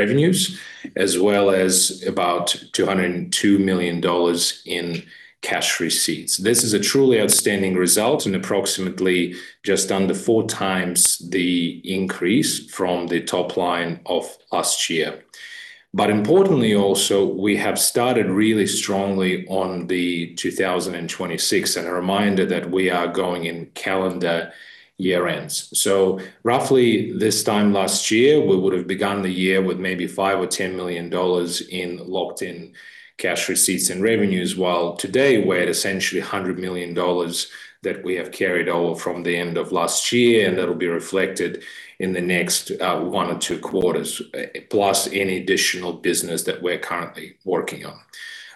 In revenues, as well as about $202 million in cash receipts. This is a truly outstanding result, and approximately just under four times the increase from the top line of last year. But importantly, also, we have started really strongly on the 2026, and a reminder that we are going in calendar year ends. So roughly this time last year, we would have begun the year with maybe $5 or $10 million in locked-in cash receipts and revenues, while today we're at essentially $100 million that we have carried over from the end of last year, and that'll be reflected in the next one or two quarters, plus any additional business that we're currently working on.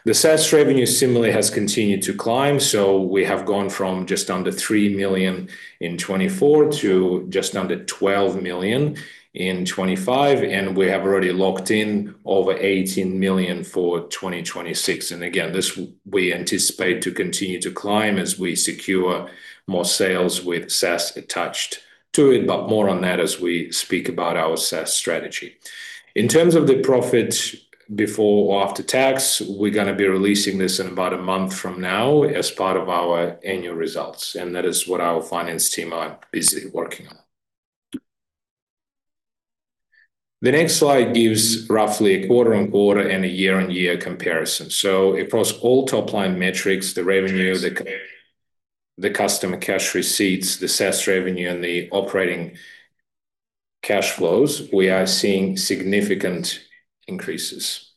The SaaS revenue similarly has continued to climb, so we have gone from just under 3 million in 2024 to just under 12 million in 2025, and we have already locked in over 18 million for 2026. Again, this we anticipate to continue to climb as we secure more sales with SaaS attached to it, but more on that as we speak about our SaaS strategy. In terms of the profit before or after tax, we're going to be releasing this in about a month from now as part of our annual results, and that is what our finance team are busily working on. The next slide gives roughly a quarter-on-quarter and a year-on-year comparison. Across all top-line metrics, the revenue, the customer cash receipts, the SaaS revenue, and the operating cash flows, we are seeing significant increases.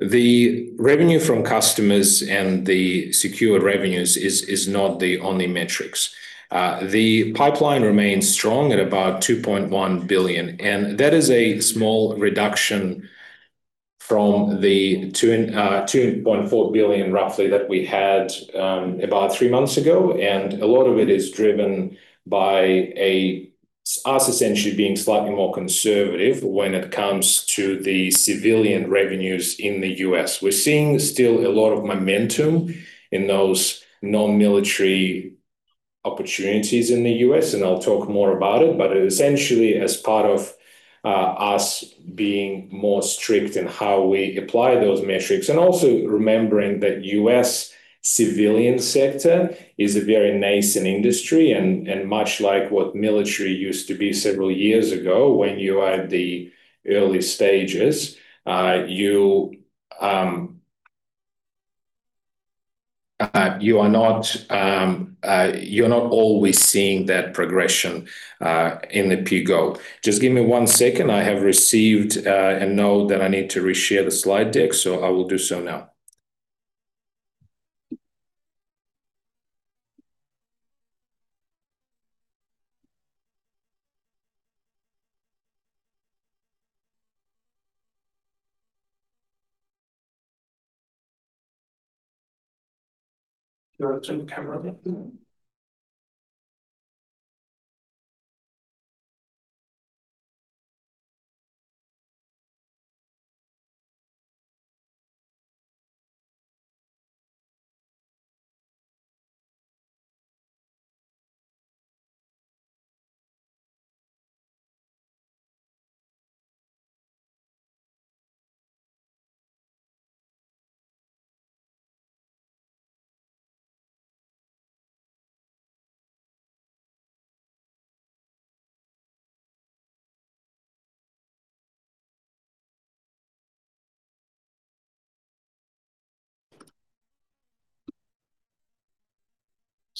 The revenue from customers and the secured revenues is not the only metrics. The pipeline remains strong at about $2.1 billion, and that is a small reduction from the $2.4 billion roughly that we had about three months ago, and a lot of it is driven by us essentially being slightly more conservative when it comes to the civilian revenues in the US. We're seeing still a lot of momentum in those non-military opportunities in the US, and I'll talk more about it, but essentially as part of us being more strict in how we apply those metrics, and also remembering that the US civilian sector is a very nascent industry, and much like what military used to be several years ago, when you are at the early stages, you are not always seeing that progression in the PGOV. Just give me one second. I have received a note that I need to reshare the slide deck, so I will do so now. Do I turn the camera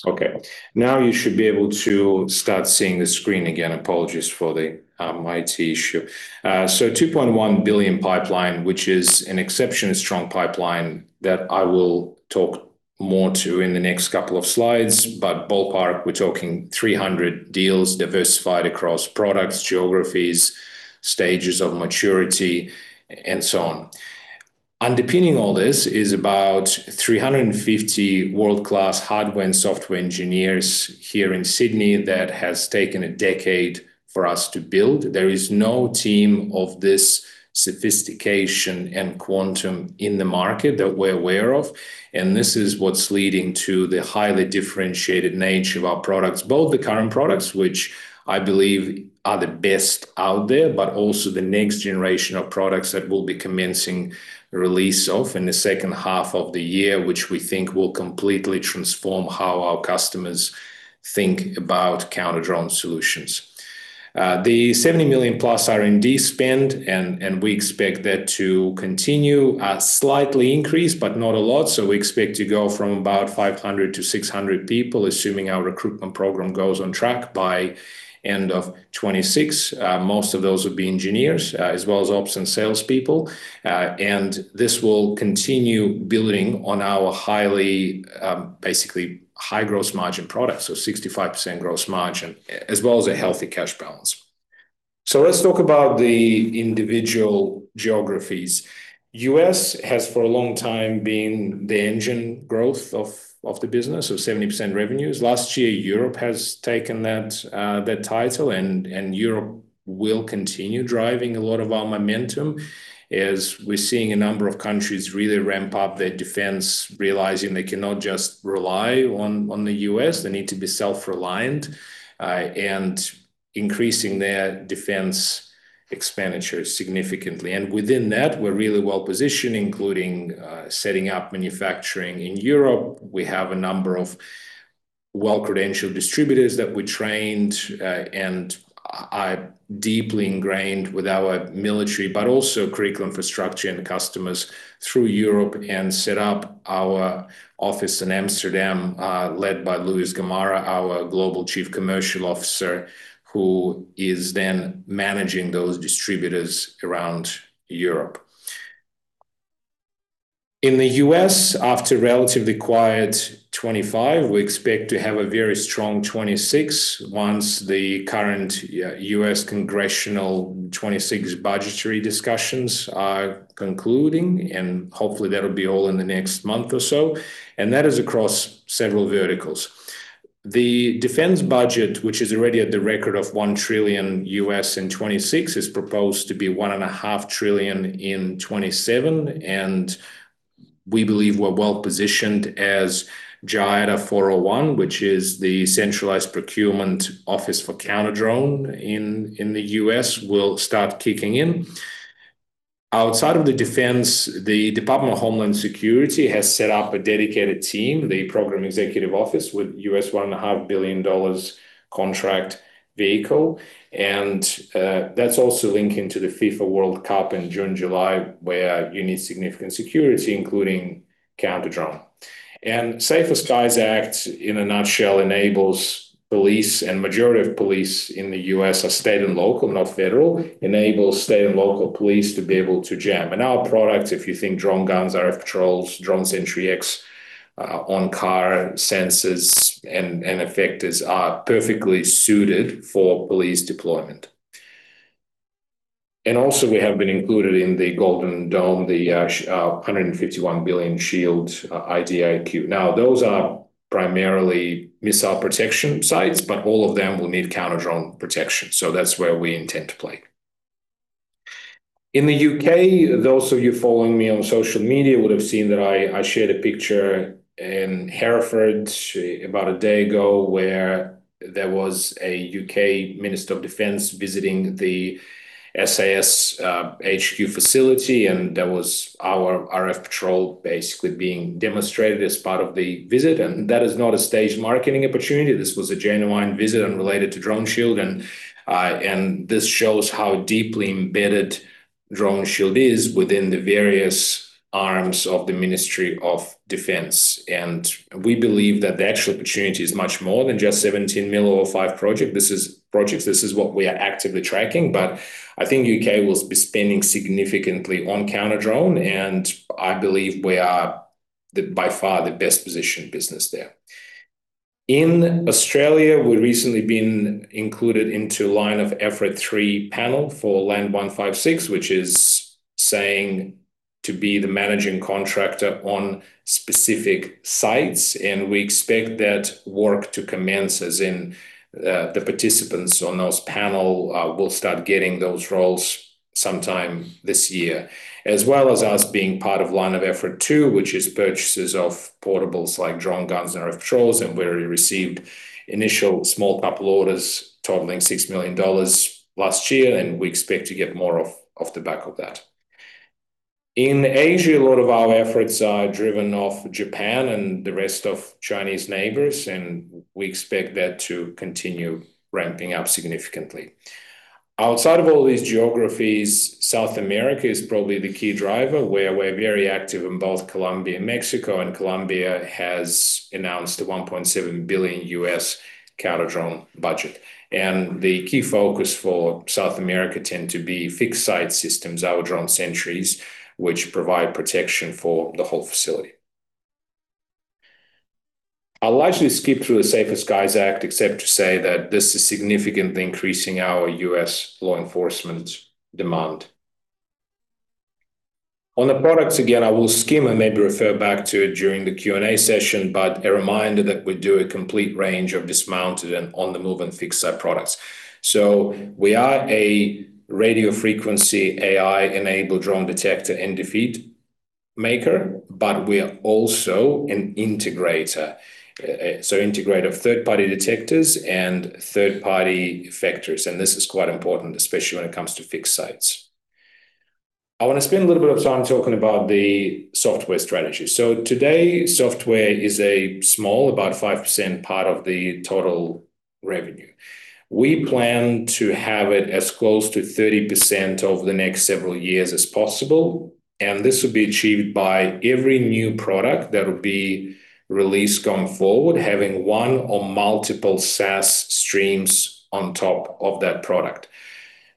on? Okay. Now you should be able to start seeing the screen again. Apologies for the mighty issue. So $2.1 billion pipeline, which is an exceptionally strong pipeline that I will talk more to in the next couple of slides, but ballpark, we're talking 300 deals diversified across products, geographies, stages of maturity, and so on. Underpinning all this is about 350 world-class hardware and software engineers here in Sydney that has taken a decade for us to build. There is no team of this sophistication and quantum in the market that we're aware of, and this is what's leading to the highly differentiated nature of our products, both the current products, which I believe are the best out there, but also the next generation of products that will be commencing release of in the second half of the year, which we think will completely transform how our customers think about counter-drone solutions. The $70 million+ R&D spend, and we expect that to continue, slightly increase, but not a lot, so we expect to go from about 500-600 people, assuming our recruitment program goes on track by end of 2026. Most of those will be engineers, as well as ops and salespeople, and this will continue building on our highly, basically high gross margin products, so 65% gross margin, as well as a healthy cash balance. So let's talk about the individual geographies. The U.S. has for a long time been the engine growth of the business, so 70% revenues. Last year, Europe has taken that title, and Europe will continue driving a lot of our momentum, as we're seeing a number of countries really ramp up their defense, realizing they cannot just rely on the U.S. They need to be self-reliant and increasing their defense expenditures significantly. And within that, we're really well positioned, including setting up manufacturing in Europe. We have a number of well-credentialed distributors that we trained and are deeply ingrained with our military, but also critical infrastructure and customers through Europe, and set up our office in Amsterdam, led by Luis Gamarra, our Global Chief Commercial Officer, who is then managing those distributors around Europe. In the US, after a relatively quiet 2025, we expect to have a very strong 2026 once the current US congressional 2026 budgetary discussions are concluding, and hopefully that'll be all in the next month or so, and that is across several verticals. The defense budget, which is already at the record of $1 trillion in 2026, is proposed to be $1.5 trillion in 2027, and we believe we're well positioned as JIATF 401, which is the centralized procurement office for counter-drone in the US, will start kicking in. Outside of the defense, the Department of Homeland Security has set up a dedicated team, the Program Executive Office, with a $1.5 billion contract vehicle, and that's also linked into the FIFA World Cup in June-July, where you need significant security, including counter-drone. Safer Skies Act, in a nutshell, enables police and the majority of police in the U.S. are state and local, not federal, enables state and local police to be able to jam. Our products, if you think DroneGuns, RfPatrol, DroneSentry-X on car sensors and effectors, are perfectly suited for police deployment. Also, we have been included in the Golden Dome, the $151 billion SHIELD IDIQ. Now, those are primarily missile protection sites, but all of them will need counter-drone protection, so that's where we intend to play. In the UK, those of you following me on social media would have seen that I shared a picture in Hereford about a day ago, where there was a UK Minister of Defence visiting the SAS HQ facility, and there was our RfPatrol basically being demonstrated as part of the visit, and that is not a staged marketing opportunity. This was a genuine visit unrelated to DroneShield, and this shows how deeply embedded DroneShield is within the various arms of the Ministry of Defence. We believe that the actual opportunity is much more than just 17 million or five projects. This is what we are actively tracking, but I think the UK will be spending significantly on counter-drone, and I believe we are by far the best-positioned business there. In Australia, we've recently been included into the Line of Effort III panel for LAND 156, which is saying to be the managing contractor on specific sites, and we expect that work to commence, as in the participants on those panels will start getting those roles sometime this year, as well as us being part of the Line of Effort II, which is purchases of portables like DroneGuns and RfPatrols, and where we received initial small couple orders totaling $6 million last year, and we expect to get more off the back of that. In Asia, a lot of our efforts are driven off Japan and the rest of Chinese neighbors, and we expect that to continue ramping up significantly. Outside of all these geographies, South America is probably the key driver, where we're very active in both Colombia and Mexico, and Colombia has announced a $1.7 billion US counter-drone budget, and the key focus for South America tends to be fixed-site systems, our DroneSentries, which provide protection for the whole facility. I'll largely skip through the Safer Skies Act, except to say that this is significantly increasing our US law enforcement demand. On the products, again, I will skim and maybe refer back to it during the Q&A session, but a reminder that we do a complete range of dismounted and on-the-move and fixed-site products. So we are a radio frequency AI-enabled drone detector and defeat maker, but we are also an integrator, so integrator of third-party detectors and third-party vectors, and this is quite important, especially when it comes to fixed sites. I want to spend a little bit of time talking about the software strategy. So today, software is a small, about 5%, part of the total revenue. We plan to have it as close to 30% over the next several years as possible, and this will be achieved by every new product that will be released going forward, having one or multiple SaaS streams on top of that product.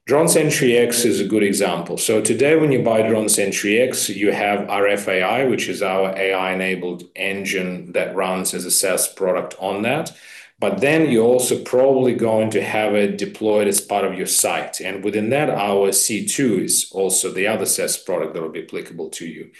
DroneSentry-X is a good example. So today, when you buy DroneSentry-X, you have RFAI, which is our AI-enabled engine that runs as a SaaS product on that, but then you're also probably going to have it deployed as part of your site, and within that, our C2 is also the other SaaS product that will be applicable to you.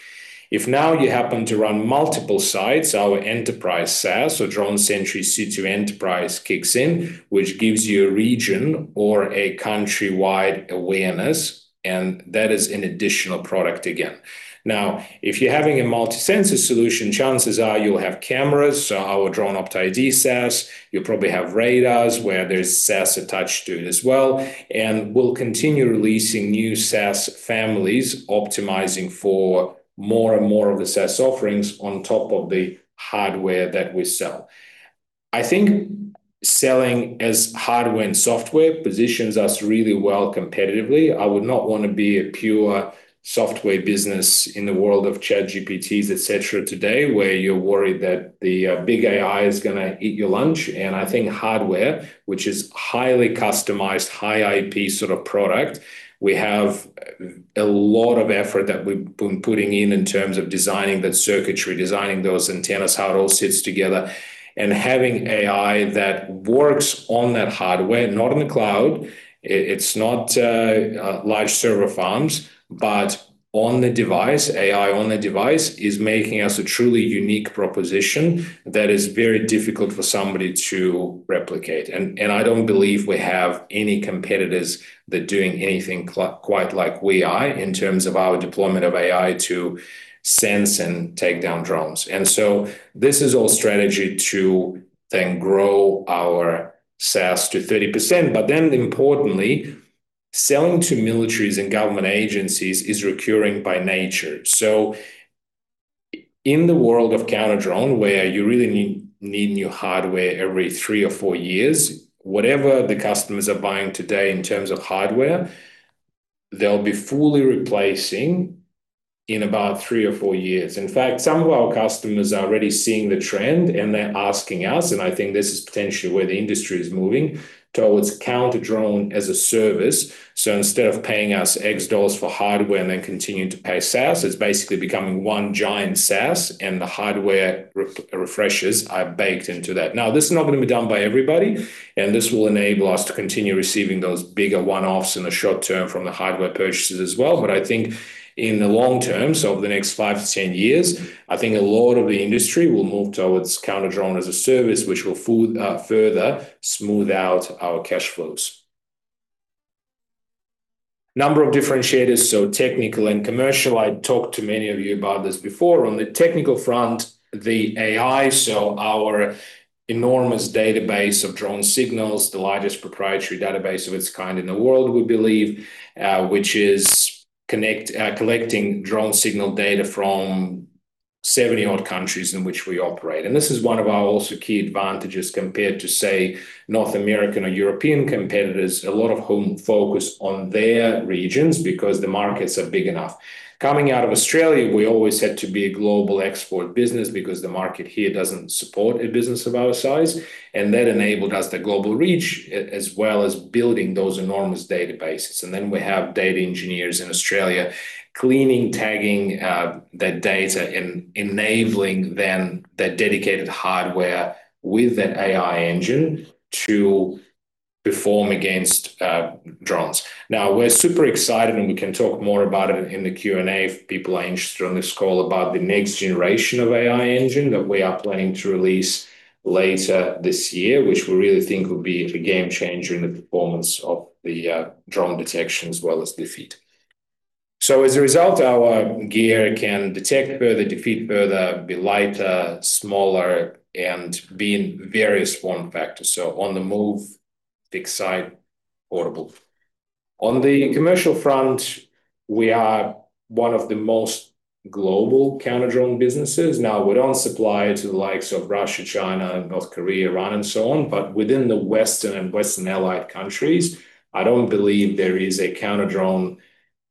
If now you happen to run multiple sites, our enterprise SaaS, so DroneSentry-C2 enterprise kicks in, which gives you a region or a countrywide awareness, and that is an additional product again. Now, if you're having a multi-sensor solution, chances are you'll have cameras, so our DroneOptID SaaS, you'll probably have radars where there's SaaS attached to it as well, and we'll continue releasing new SaaS families, optimizing for more and more of the SaaS offerings on top of the hardware that we sell. I think selling as hardware and software positions us really well competitively. I would not want to be a pure software business in the world of ChatGPTs, etc., today, where you're worried that the big AI is going to eat your lunch, and I think hardware, which is highly customized, high-IP sort of product, we have a lot of effort that we've been putting in in terms of designing that circuitry, designing those antennas, how it all sits together, and having AI that works on that hardware, not on the cloud, it's not large server farms, but on the device, AI on the device is making us a truly unique proposition that is very difficult for somebody to replicate, and I don't believe we have any competitors that are doing anything quite like we are in terms of our deployment of AI to sense and take down drones. This is all strategy to then grow our SaaS to 30%, but then importantly, selling to militaries and government agencies is recurring by nature. In the world of counter-drone, where you really need new hardware every three or four years, whatever the customers are buying today in terms of hardware, they'll be fully replacing in about three or four years. In fact, some of our customers are already seeing the trend, and they're asking us, and I think this is potentially where the industry is moving towards counter-drone as a service. Instead of paying us $X for hardware and then continuing to pay SaaS, it's basically becoming one giant SaaS, and the hardware refreshers are baked into that. Now, this is not going to be done by everybody, and this will enable us to continue receiving those bigger one-offs in the short term from the hardware purchases as well, but I think in the long term, so over the next five to ten years, I think a lot of the industry will move towards counter-drone as a service, which will further smooth out our cash flows. Number of differentiators, so technical and commercial, I talked to many of you about this before. On the technical front, the AI, so our enormous database of drone signals, the largest proprietary database of its kind in the world, we believe, which is collecting drone signal data from 70-odd countries in which we operate, and this is one of our also key advantages compared to, say, North American or European competitors, a lot of whom focus on their regions because the markets are big enough. Coming out of Australia, we always had to be a global export business because the market here doesn't support a business of our size, and that enabled us the global reach as well as building those enormous databases. And then we have data engineers in Australia cleaning, tagging that data and enabling then that dedicated hardware with that AI engine to perform against drones. Now, we're super excited, and we can talk more about it in the Q&A if people are interested on this call about the next generation of AI engine that we are planning to release later this year, which we really think will be a game changer in the performance of the drone detection as well as defeat. So as a result, our gear can detect further, defeat further, be lighter, smaller, and be in various form factors, so on the move, fixed-site, portable. On the commercial front, we are one of the most global counter-drone businesses. Now, we don't supply to the likes of Russia, China, North Korea, Iran, and so on, but within the Western and Western Allied countries, I don't believe there is a counter-drone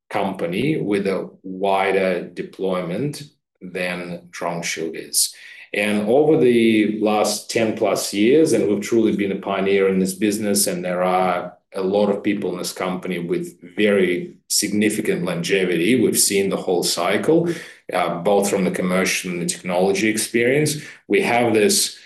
company with a wider deployment than DroneShield is. Over the last 10+ years, and we've truly been a pioneer in this business, and there are a lot of people in this company with very significant longevity. We've seen the whole cycle, both from the commercial and the technology experience. We have this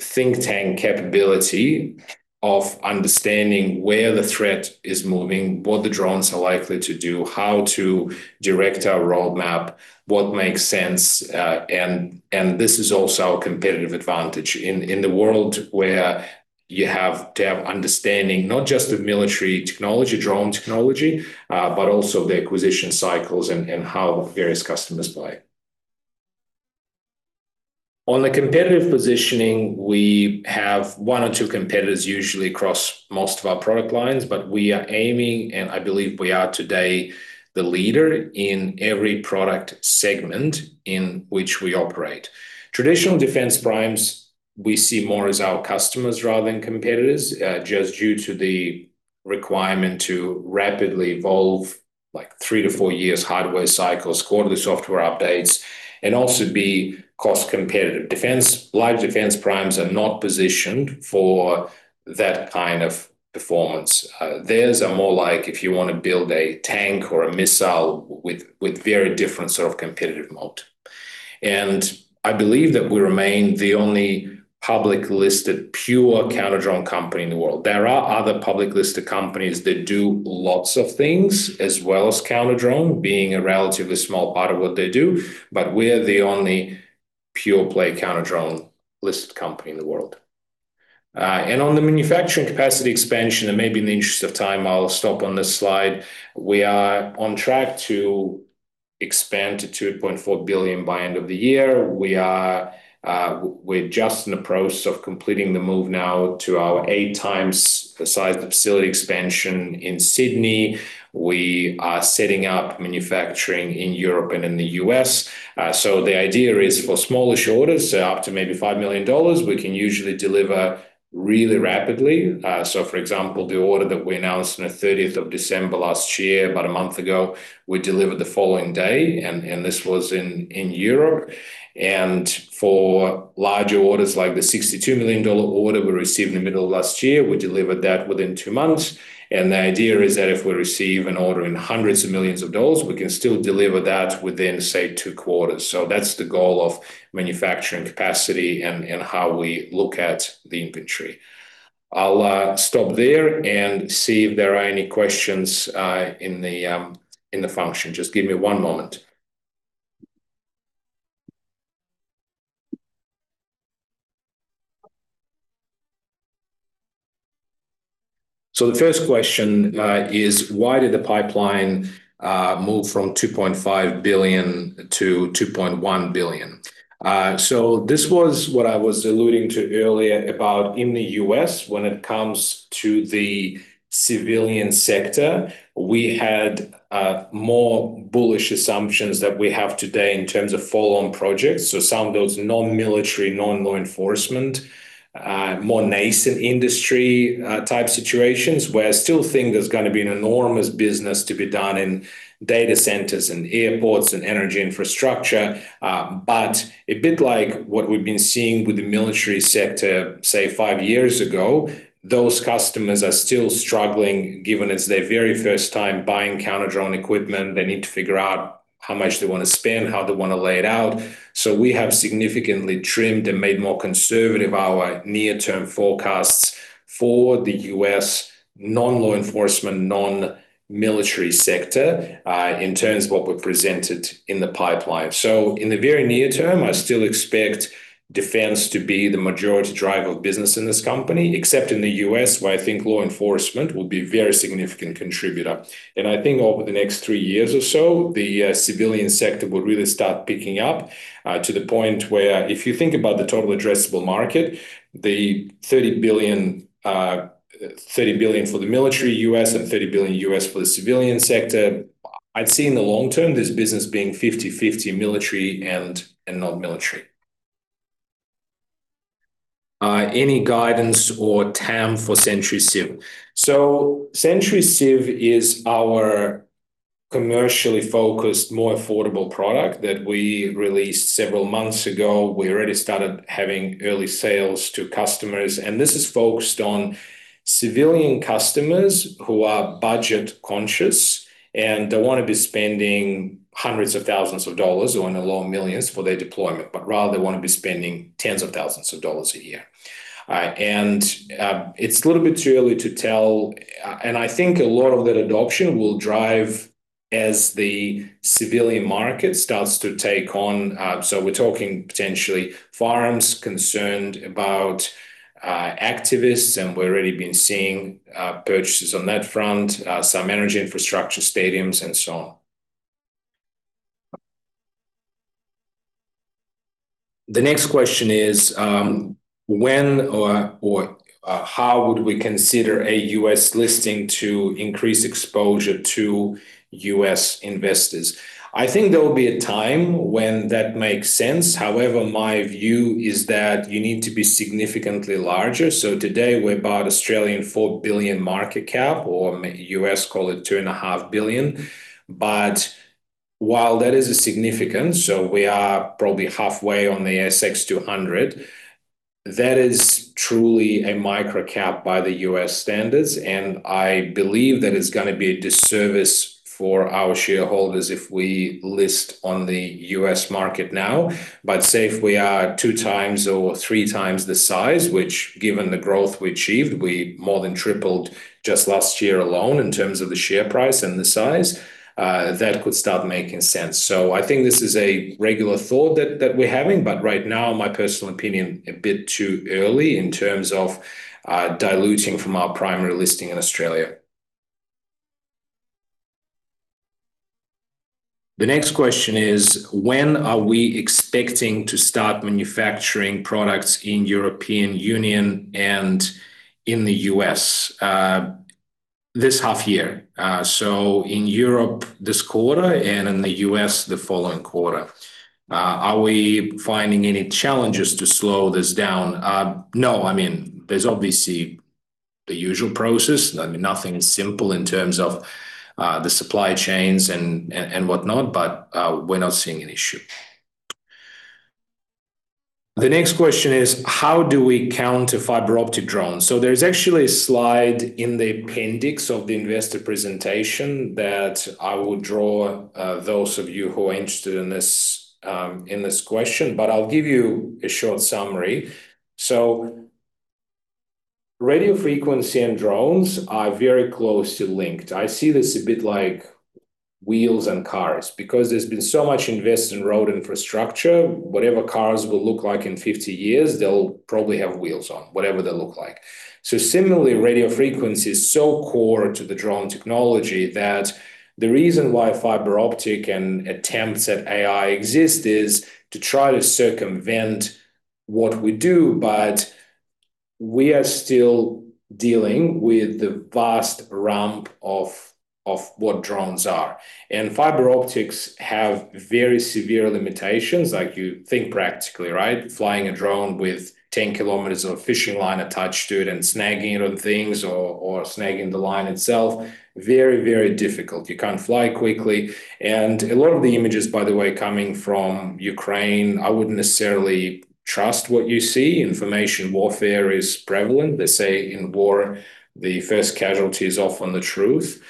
think tank capability of understanding where the threat is moving, what the drones are likely to do, how to direct our roadmap, what makes sense, and this is also our competitive advantage in the world where you have to have understanding not just of military technology, drone technology, but also the acquisition cycles and how various customers buy. On the competitive positioning, we have one or two competitors usually across most of our product lines, but we are aiming, and I believe we are today the leader in every product segment in which we operate. Traditional defense primes, we see more as our customers rather than competitors, just due to the requirement to rapidly evolve, like three to four years hardware cycles, quarterly software updates, and also be cost competitive. Defense large defense primes are not positioned for that kind of performance. Theirs are more like if you want to build a tank or a missile with very different sort of competitive moat. I believe that we remain the only public-listed pure counter-drone company in the world. There are other public-listed companies that do lots of things as well as counter-drone, being a relatively small part of what they do, but we are the only pure-play counter-drone listed company in the world. On the manufacturing capacity expansion, and maybe in the interest of time, I'll stop on this slide. We are on track to expand to $2.4 billion by end of the year. We're just in the process of completing the move now to our eight times the size of the facility expansion in Sydney. We are setting up manufacturing in Europe and in the U.S. So the idea is for smaller shortages, so up to maybe $5 million, we can usually deliver really rapidly. So for example, the order that we announced on the 30th of December last year, about a month ago, we delivered the following day, and this was in Europe. And for larger orders, like the $62 million order we received in the middle of last year, we delivered that within two months. And the idea is that if we receive an order in hundreds of millions of dollars, we can still deliver that within, say, two quarters. So that's the goal of manufacturing capacity and how we look at the inventory. I'll stop there and see if there are any questions in the function. Just give me one moment. So the first question is, why did the pipeline move from $2.5 billion to $2.1 billion? So this was what I was alluding to earlier about in the US. When it comes to the civilian sector, we had more bullish assumptions that we have today in terms of full-on projects. So some of those non-military, non-law enforcement, more nascent industry type situations where I still think there's going to be an enormous business to be done in data centers and airports and energy infrastructure. But a bit like what we've been seeing with the military sector, say, five years ago, those customers are still struggling given it's their very first time buying counter-drone equipment. They need to figure out how much they want to spend, how they want to lay it out. So we have significantly trimmed and made more conservative our near-term forecasts for the U.S. non-law enforcement, non-military sector in terms of what we presented in the pipeline. So in the very near term, I still expect defense to be the majority driver of business in this company, except in the U.S., where I think law enforcement will be a very significant contributor. And I think over the next three years or so, the civilian sector will really start picking up to the point where if you think about the total addressable market, the $30 billion for the military U.S. and $30 billion U.S. for the civilian sector, I'd see in the long term this business being 50/50 military and non-military. Any guidance or TAM for Sentry-Civ? So Sentry-Civ is our commercially focused, more affordable product that we released several months ago. We already started having early sales to customers, and this is focused on civilian customers who are budget conscious and don't want to be spending hundreds of thousands of dollars or in the low millions for their deployment, but rather they want to be spending tens of thousands of dollars a year. It's a little bit too early to tell, and I think a lot of that adoption will drive as the civilian market starts to take on. We're talking potentially forums concerned about activists, and we've already been seeing purchases on that front, some energy infrastructure, stadiums, and so on. The next question is, when or how would we consider a U.S. listing to increase exposure to U.S. investors? I think there will be a time when that makes sense. However, my view is that you need to be significantly larger. So today, we're about 4 billion market cap, or US call it $2.5 billion. But while that is significant, so we are probably halfway on the ASX 200, that is truly a micro cap by the US standards, and I believe that it's going to be a disservice for our shareholders if we list on the US market now. But say if we are two times or three times the size, which given the growth we achieved, we more than tripled just last year alone in terms of the share price and the size, that could start making sense. So I think this is a regular thought that we're having, but right now, in my personal opinion, a bit too early in terms of diluting from our primary listing in Australia. The next question is, when are we expecting to start manufacturing products in the European Union and in the U.S.? This half year. So in Europe this quarter and in the U.S. the following quarter. Are we finding any challenges to slow this down? No, I mean, there's obviously the usual process. I mean, nothing is simple in terms of the supply chains and whatnot, but we're not seeing an issue. The next question is, how do we counter fiber optic drones? So there's actually a slide in the appendix of the investor presentation that I will draw those of you who are interested in this question, but I'll give you a short summary. So radio frequency and drones are very closely linked. I see this a bit like wheels and cars because there's been so much invested in road infrastructure. Whatever cars will look like in 50 years, they'll probably have wheels on, whatever they look like. So similarly, radio frequency is so core to the drone technology that the reason why fiber optic and attempts at AI exist is to try to circumvent what we do, but we are still dealing with the vast ramp of what drones are. And fiber optics have very severe limitations, like you think practically, right? Flying a drone with 10 kilometers of fishing line attached to it and snagging it on things or snagging the line itself, very, very difficult. You can't fly quickly. And a lot of the images, by the way, coming from Ukraine, I wouldn't necessarily trust what you see. Information warfare is prevalent. They say in war, the first casualty is often the truth.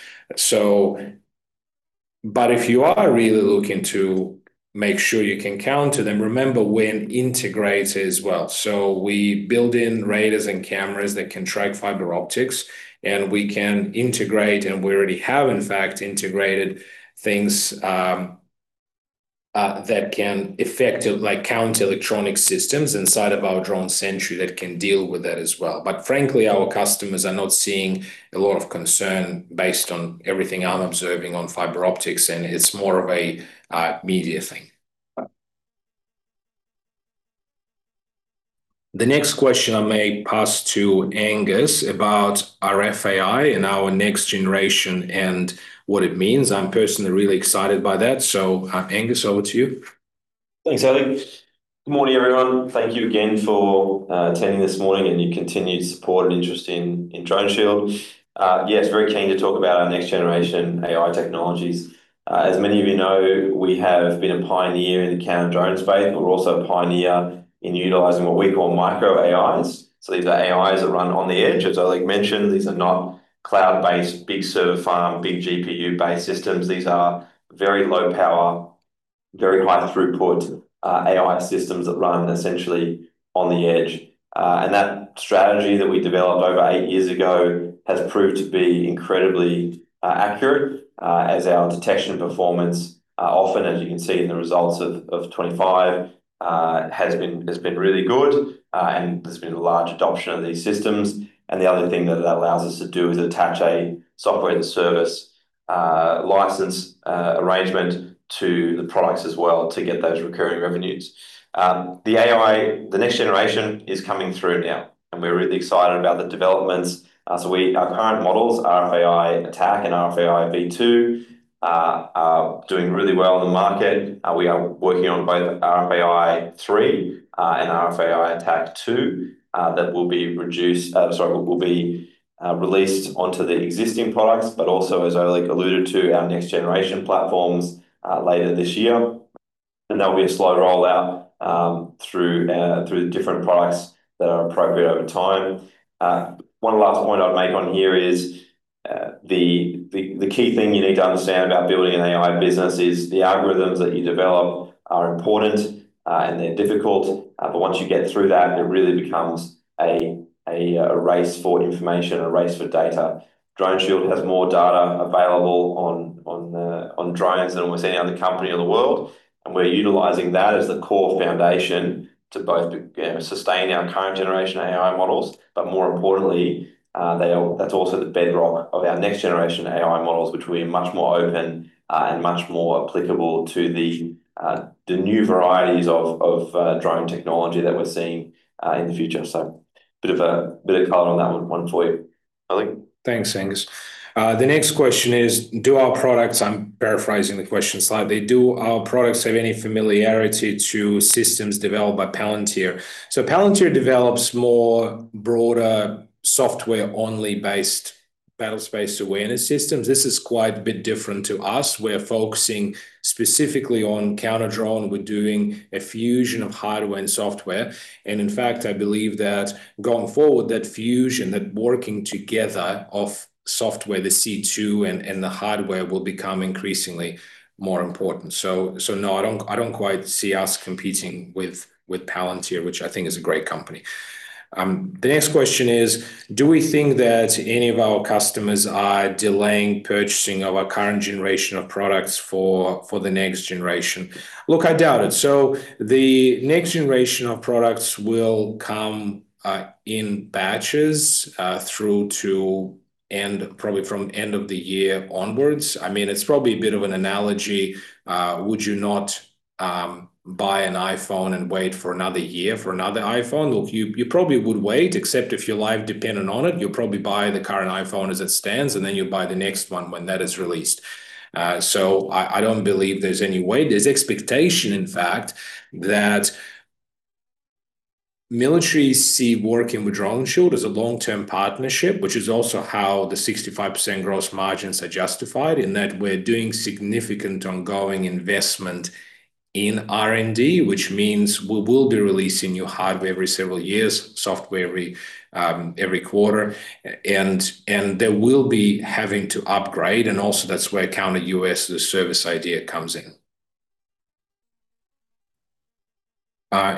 But if you are really looking to make sure you can counter them, remember we integrate as well. So we build in radars and cameras that can track fiber optics, and we can integrate, and we already have, in fact, integrated things that can effectively counter electronic systems inside of our DroneSentry that can deal with that as well. But frankly, our customers are not seeing a lot of concern based on everything I'm observing on fiber optics, and it's more of a media thing. The next question I may pass to Angus about RFAI and our next generation and what it means. I'm personally really excited by that. So Angus, over to you. Thanks, Oleg. Good morning, everyone. Thank you again for attending this morning and your continued support and interest in DroneShield. Yes, very keen to talk about our next generation AI technologies. As many of you know, we have been a pioneer in the counter-drone space. We're also a pioneer in utilizing what we call micro AIs. So these are AIs that run on the edge. As Oleg mentioned, these are not cloud-based, big server farm, big GPU-based systems. These are very low power, very high throughput AI systems that run essentially on the edge. And that strategy that we developed over eight years ago has proved to be incredibly accurate as our detection performance, often, as you can see in the results of 2025, has been really good, and there's been a large adoption of these systems. And the other thing that it allows us to do is attach a software as a service license arrangement to the products as well to get those recurring revenues. The next generation is coming through now, and we're really excited about the developments. So our current models, RFAI-ATK and RFAI V2, are doing really well in the market. We are working on both RFAI 3 and RFAI-ATK 2 that will be reduced, sorry, will be released onto the existing products, but also, as Oleg alluded to, our next generation platforms later this year. And there'll be a slow rollout through different products that are appropriate over time. One last point I'd make on here is the key thing you need to understand about building an AI business is the algorithms that you develop are important and they're difficult, but once you get through that, it really becomes a race for information, a race for data. DroneShield has more data available on drones than almost any other company in the world, and we're utilizing that as the core foundation to both sustain our current generation AI models, but more importantly, that's also the bedrock of our next generation AI models, which will be much more open and much more applicable to the new varieties of drone technology that we're seeing in the future. So a bit of a bit of color on that one for you, Oleg. Thanks, Angus. The next question is, do our products--I'm paraphrasing the question slightly--do our products have any familiarity to systems developed by Palantir? So Palantir develops more broader software-only based battlespace awareness systems. This is quite a bit different to us. We're focusing specifically on counter-drone. We're doing a fusion of hardware and software. In fact, I believe that going forward, that fusion, that working together of software, the C2 and the hardware will become increasingly more important. So no, I don't quite see us competing with Palantir, which I think is a great company. The next question is, do we think that any of our customers are delaying purchasing of our current generation of products for the next generation? Look, I doubt it. So the next generation of products will come in batches through to and probably from the end of the year onwards. I mean, it's probably a bit of an analogy. Would you not buy an iPhone and wait for another year for another iPhone? Look, you probably would wait, except if your life depended on it, you'll probably buy the current iPhone as it stands, and then you'll buy the next one when that is released. So I don't believe there's any way. There's expectation, in fact, that militaries see working with DroneShield as a long-term partnership, which is also how the 65% gross margins are justified in that we're doing significant ongoing investment in R&D, which means we will be releasing new hardware every several years, software every quarter, and there will be having to upgrade. And also that's where counter-UAS as a service idea comes in.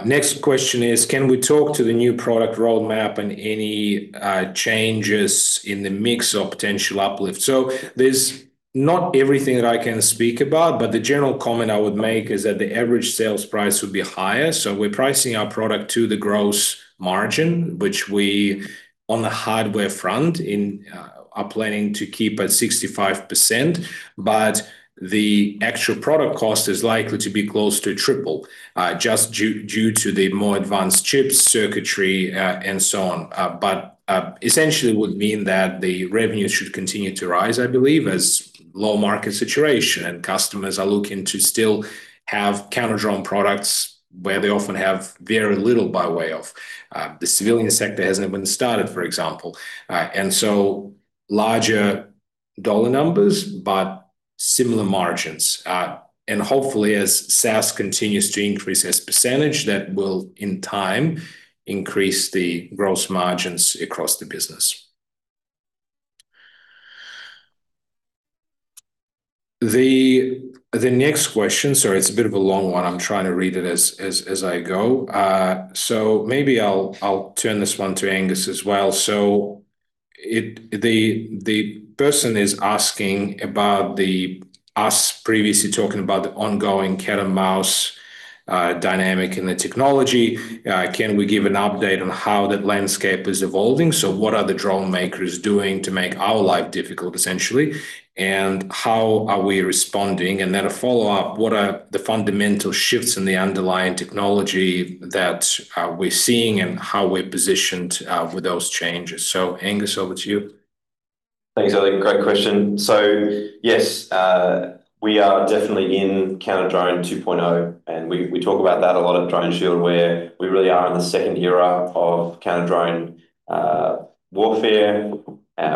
Next question is, can we talk to the new product roadmap and any changes in the mix of potential uplift? So there's not everything that I can speak about, but the general comment I would make is that the average sales price would be higher. So we're pricing our product to the gross margin, which we on the hardware front are planning to keep at 65%, but the actual product cost is likely to be close to triple just due to the more advanced chips, circuitry, and so on. But essentially, it would mean that the revenues should continue to rise, I believe, as low market situation and customers are looking to still have counter-drone products where they often have very little by way of. The civilian sector hasn't even started, for example. And so larger dollar numbers, but similar margins. And hopefully, as SaaS continues to increase as percentage, that will in time increase the gross margins across the business. The next question, sorry, it's a bit of a long one. I'm trying to read it as I go. So maybe I'll turn this one to Angus as well. So the person is asking about us previously talking about the ongoing cat-and-mouse dynamic in the technology. Can we give an update on how that landscape is evolving? So what are the drone makers doing to make our life difficult, essentially? And how are we responding? And then a follow-up, what are the fundamental shifts in the underlying technology that we're seeing and how we're positioned with those changes? So Angus, over to you. Thanks, Oleg. Great question. So yes, we are definitely in counter-drone 2.0, and we talk about that a lot at DroneShield where we really are in the second era of counter-drone warfare,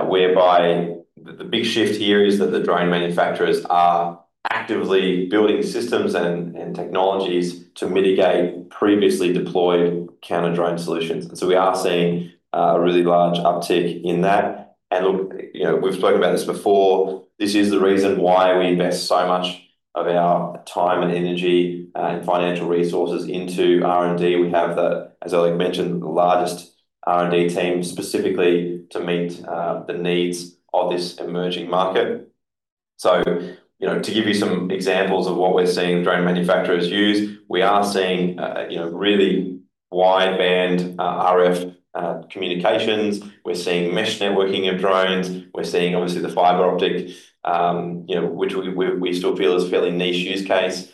whereby the big shift here is that the drone manufacturers are actively building systems and technologies to mitigate previously deployed counter-drone solutions. And so we are seeing a really large uptick in that. And look, we've spoken about this before. This is the reason why we invest so much of our time and energy and financial resources into R&D. We have, as Oleg mentioned, the largest R&D team specifically to meet the needs of this emerging market. So to give you some examples of what we're seeing drone manufacturers use, we are seeing really wide-band RF communications. We're seeing mesh networking of drones. We're seeing, obviously, the fiber optic, which we still feel is fairly niche use case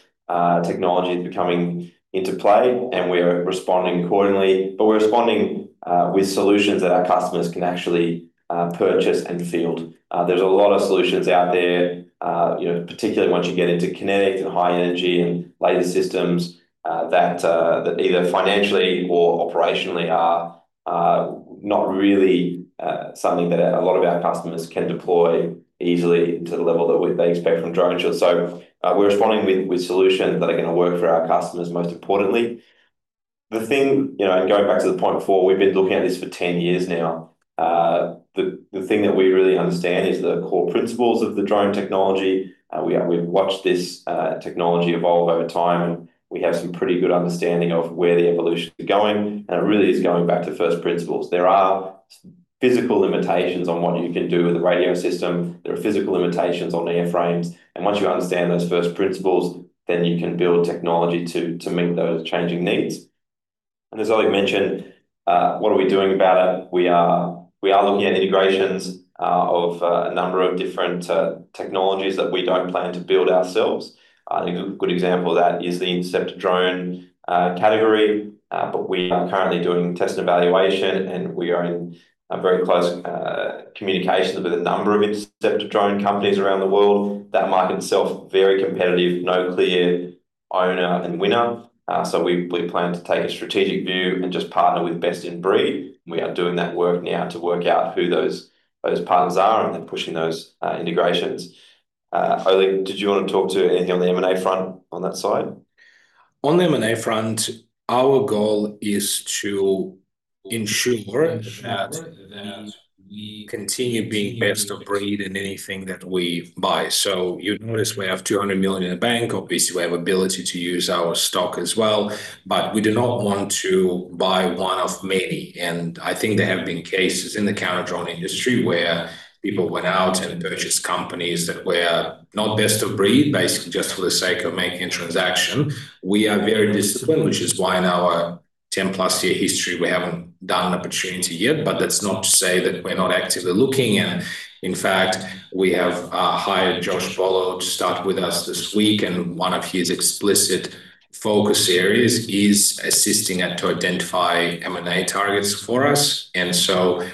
technology, is coming into play, and we're responding accordingly. But we're responding with solutions that our customers can actually purchase and field. There's a lot of solutions out there, particularly once you get into kinetic and high energy and laser systems that either financially or operationally are not really something that a lot of our customers can deploy easily to the level that they expect from DroneShield. So we're responding with solutions that are going to work for our customers, most importantly. The thing, and going back to the point before, we've been looking at this for 10 years now. The thing that we really understand is the core principles of the drone technology. We've watched this technology evolve over time, and we have some pretty good understanding of where the evolution is going. And it really is going back to first principles. There are physical limitations on what you can do with a radio system. There are physical limitations on airframes. And once you understand those first principles, then you can build technology to meet those changing needs. And as Oleg mentioned, what are we doing about it? We are looking at integrations of a number of different technologies that we don't plan to build ourselves. A good example of that is the intercept drone category, but we are currently doing test and evaluation, and we are in very close communications with a number of intercept drone companies around the world. That market itself is very competitive, no clear owner and winner. So we plan to take a strategic view and just partner with best in breed. We are doing that work now to work out who those partners are and pushing those integrations. Oleg, did you want to talk to anything on the M&A front on that side? On the M&A front, our goal is to ensure that we continue being best of breed in anything that we buy. So you notice we have 200 million in the bank. Obviously, we have the ability to use our stock as well, but we do not want to buy one of many. I think there have been cases in the counter-drone industry where people went out and purchased companies that were not best of breed, basically just for the sake of making a transaction. We are very disciplined, which is why in our 10+ year history, we haven't done an opportunity yet. But that's not to say that we're not actively looking. In fact, we have hired Josh Bollo to start with us this week, and one of his explicit focus areas is assisting to identify M&A targets for us. So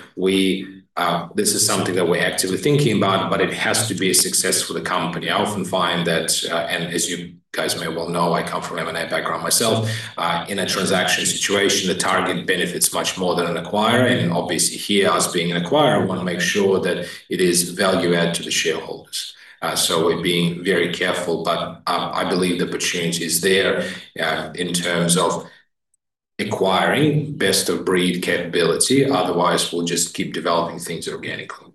this is something that we're actively thinking about, but it has to be a success for the company. I often find that, and as you guys may well know, I come from an M&A background myself, in a transaction situation, the target benefits much more than an acquirer. Obviously, here, us being an acquirer, we want to make sure that it is value-add to the shareholders. We're being very careful, but I believe the opportunity is there in terms of acquiring best of breed capability. Otherwise, we'll just keep developing things organically.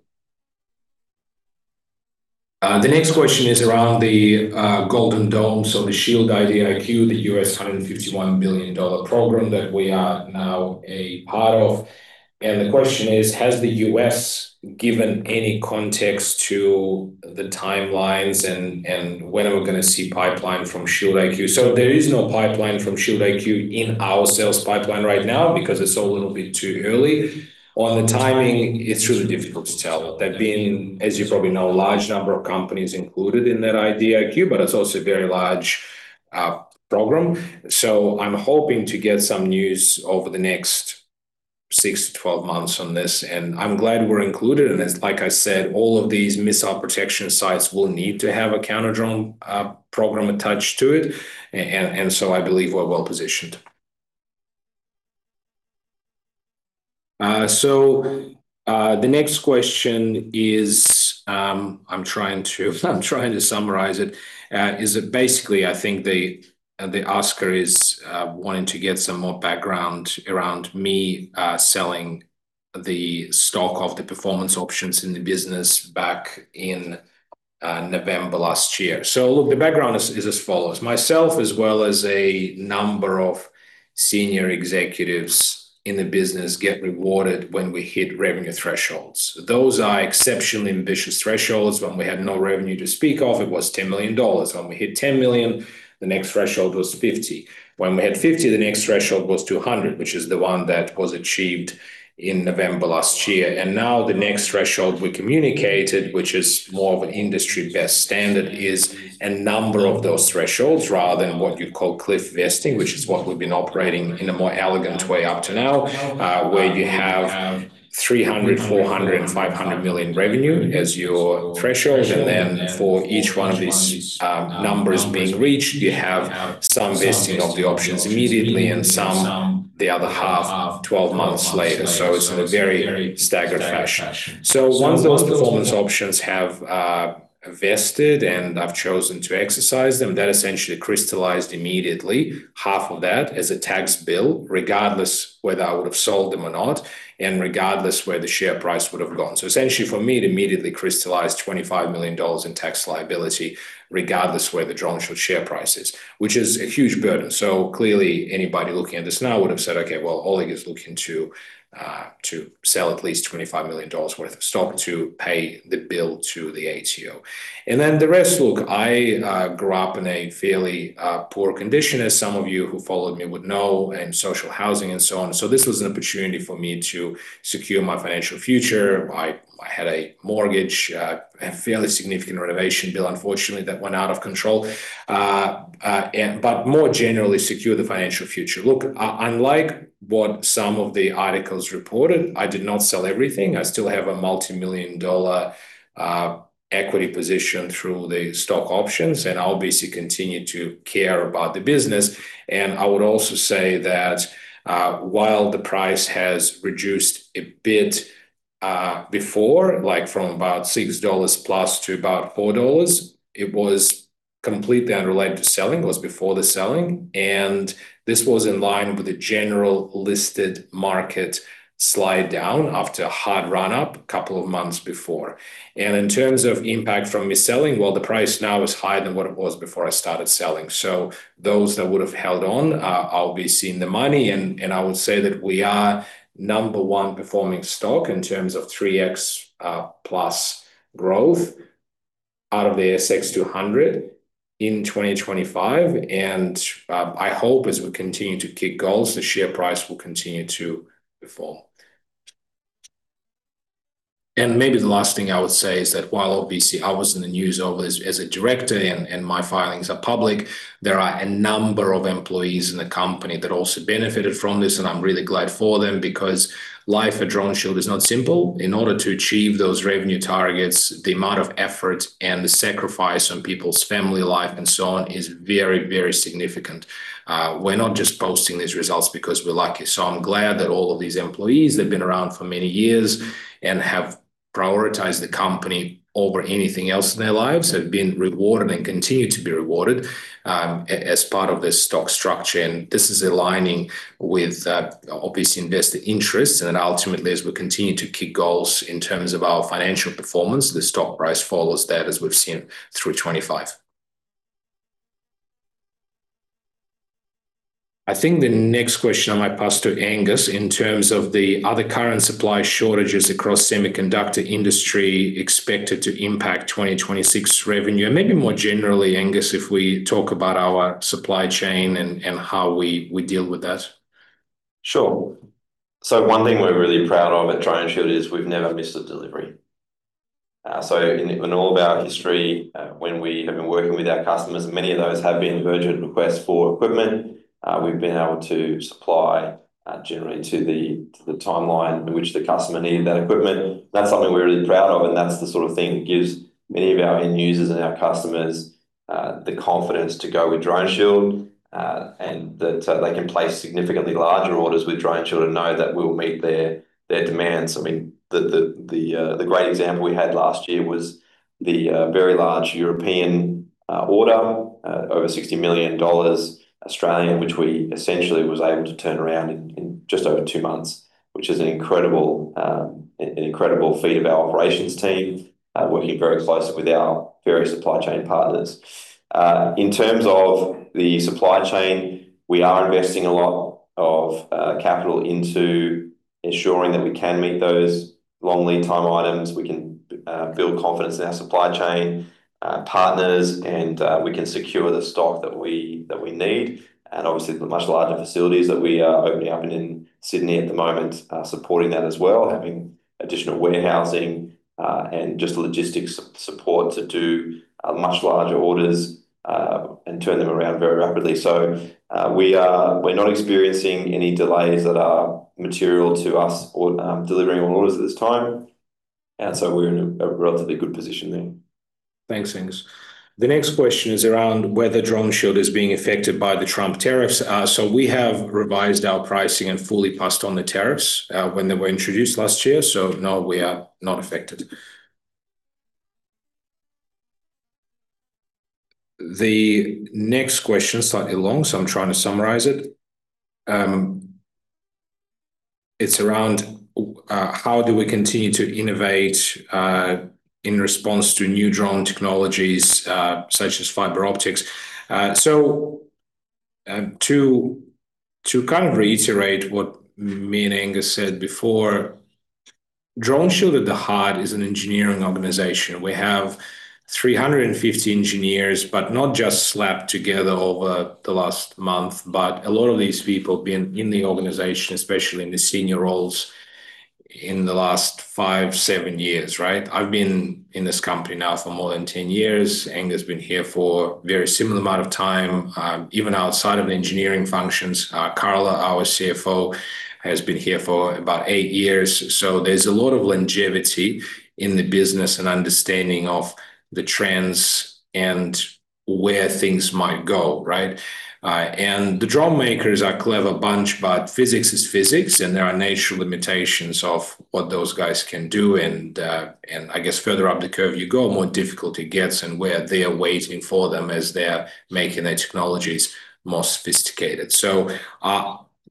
The next question is around the Golden Dome of the SHIELD IDIQ, the $151 billion program that we are now a part of. The question is, has the US given any context to the timelines and when are we going to see pipeline from SHIELD IDIQ? So there is no pipeline from SHIELD IDIQ in our sales pipeline right now because it's all a little bit too early. On the timing, it's really difficult to tell. There have been, as you probably know, a large number of companies included in that IDIQ, but it's also a very large program. So I'm hoping to get some news over the next six to 12 months on this. I'm glad we're included. Like I said, all of these missile protection sites will need to have a counter-drone program attached to it. I believe we're well positioned. The next question is, I'm trying to summarize it, is that basically, I think the asker is wanting to get some more background around me selling the stock of the performance options in the business back in November last year. Look, the background is as follows. Myself, as well as a number of senior executives in the business, get rewarded when we hit revenue thresholds. Those are exceptionally ambitious thresholds. When we had no revenue to speak of, it was $10 million. When we hit $10 million, the next threshold was $50 million. When we had 50, the next threshold was 200, which is the one that was achieved in November last year. Now the next threshold we communicated, which is more of an industry best standard, is a number of those thresholds rather than what you call cliff vesting, which is what we've been operating in a more elegant way up to now, where you have 300 million, 400 million, and 500 million revenue as your threshold. Then for each one of these numbers being reached, you have some vesting of the options immediately and some the other half 12 months later. So it's in a very staggered fashion. So once those performance options have vested and I've chosen to exercise them, that essentially crystallized immediately half of that as a tax bill, regardless whether I would have sold them or not, and regardless where the share price would have gone. So essentially for me, it immediately crystallized 25 million dollars in tax liability, regardless where the drone share price is, which is a huge burden. So clearly, anybody looking at this now would have said, "Okay, well, Oleg is looking to sell at least 25 million dollars worth of stock to pay the bill to the ATO." And then the rest, look, I grew up in a fairly poor condition, as some of you who followed me would know, and social housing and so on. So this was an opportunity for me to secure my financial future. I had a mortgage, a fairly significant renovation bill, unfortunately, that went out of control, but more generally secure the financial future. Look, unlike what some of the articles reported, I did not sell everything. I still have a multi-million AUD equity position through the stock options, and I'll basically continue to care about the business. I would also say that while the price has reduced a bit before, like from about 6+ dollars to about 4 dollars, it was completely unrelated to selling. It was before the selling. This was in line with the general listed market slide down after a hard run-up a couple of months before. In terms of impact from my selling, well, the price now is higher than what it was before I started selling. So those that would have held on, they'll be seeing the money. I would say that we are number one performing stock in terms of 3x+ growth out of the ASX 200 in 2025. I hope as we continue to kick goals, the share price will continue to perform. Maybe the last thing I would say is that while obviously I was in the news over as a director and my filings are public, there are a number of employees in the company that also benefited from this. I'm really glad for them because life at DroneShield is not simple. In order to achieve those revenue targets, the amount of effort and the sacrifice on people's family life and so on is very, very significant. We're not just posting these results because we're lucky. I'm glad that all of these employees that have been around for many years and have prioritized the company over anything else in their lives have been rewarded and continue to be rewarded as part of this stock structure. This is aligning with obvious investor interests. And then ultimately, as we continue to kick goals in terms of our financial performance, the stock price follows that as we've seen through 2025. I think the next question I might pass to Angus in terms of the other current supply shortages across semiconductor industry expected to impact 2026 revenue, and maybe more generally, Angus, if we talk about our supply chain and how we deal with that. Sure. So one thing we're really proud of at DroneShield is we've never missed a delivery. So in all of our history, when we have been working with our customers, many of those have been urgent requests for equipment, we've been able to supply generally to the timeline in which the customer needed that equipment. That's something we're really proud of. That's the sort of thing that gives many of our end users and our customers the confidence to go with DroneShield and that they can place significantly larger orders with DroneShield and know that we'll meet their demands. I mean, the great example we had last year was the very large European order, over 60 million Australian dollars, which we essentially were able to turn around in just over two months, which is an incredible feat of our operations team working very closely with our various supply chain partners. In terms of the supply chain, we are investing a lot of capital into ensuring that we can meet those long lead time items. We can build confidence in our supply chain partners, and we can secure the stock that we need. Obviously, the much larger facilities that we are opening up in Sydney at the moment are supporting that as well, having additional warehousing and just logistics support to do much larger orders and turn them around very rapidly. So we're not experiencing any delays that are material to us delivering orders at this time. And so we're in a relatively good position there. Thanks, Hings. The next question is around whether DroneShield is being affected by the Trump tariffs. So we have revised our pricing and fully passed on the tariffs when they were introduced last year. So no, we are not affected. The next question is slightly long, so I'm trying to summarize it. It's around how do we continue to innovate in response to new drone technologies such as fiber optics? So to kind of reiterate what me and Angus said before, DroneShield at the heart is an engineering organization. We have 350 engineers, but not just slapped together over the last month, but a lot of these people have been in the organization, especially in the senior roles in the last 5, 7 years, right? I've been in this company now for more than 10 years. Angus has been here for a very similar amount of time, even outside of engineering functions. Carla, our CFO, has been here for about 8 years. So there's a lot of longevity in the business and understanding of the trends and where things might go, right? And the drone makers are a clever bunch, but physics is physics, and there are natural limitations of what those guys can do. I guess further up the curve you go, the more difficult it gets and where they are waiting for them as they're making their technologies more sophisticated. So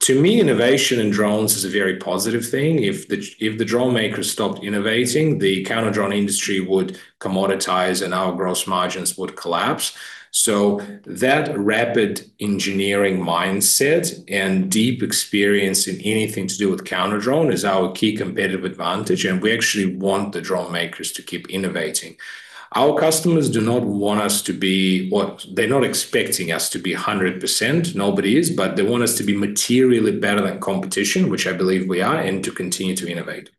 to me, innovation in drones is a very positive thing. If the drone makers stopped innovating, the counter-drone industry would commoditize and our gross margins would collapse. So that rapid engineering mindset and deep experience in anything to do with counter-drone is our key competitive advantage. And we actually want the drone makers to keep innovating. Our customers do not want us to be what they're not expecting us to be 100%. Nobody is, but they want us to be materially better than competition, which I believe we are, and to continue to innovate.